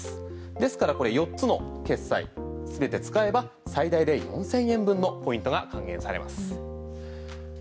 ですからこれ４つの決済、全て使えば最大で４０００円分のポイントが還元されます。